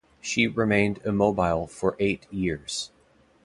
She remained immobile for eight years.